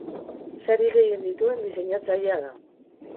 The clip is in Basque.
Sari gehien dituen diseinatzailea da.